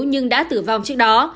nhưng đã tử vong trước đó